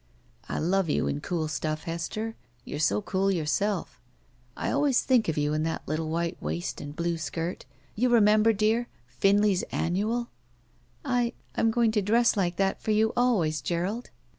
"I love you in cool stuff, Hester. You're so cool yourself, I always think of you in the little white waist and blue skirt. You remember, dear — Finleys' annual?" "I — I'm going to dress like that for you always, Gerald."